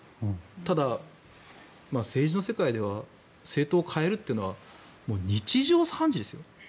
ただ、政治の世界では政党を変えるというのは日常茶飯事ですよ。